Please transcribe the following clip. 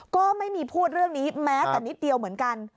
ก็ไม่มีพูดเรื่องนี้แม้แต่นิดเดียวเหมือนกัน